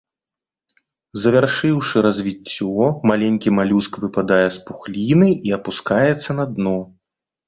Завяршыўшы развіццё, маленькі малюск выпадае з пухліны і апускаецца на дно.